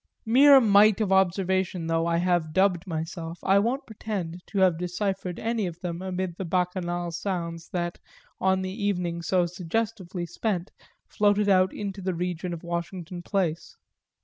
Mere mite of observation though I have dubbed myself, I won't pretend to have deciphered any of them amid the bacchanal sounds that, on the evening so suggestively spent, floated out into the region of Washington Place.